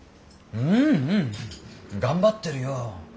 うんうん頑張ってるよ。